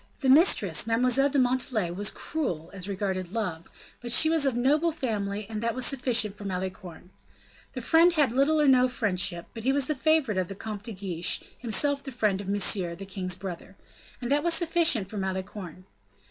The mistress, Mademoiselle de Montalais, was cruel, as regarded love; but she was of a noble family, and that was sufficient for Malicorne. The friend had little or no friendship, but he was the favorite of the Comte de Guiche, himself the friend of Monsieur, the king's brother; and that was sufficient for Malicorne.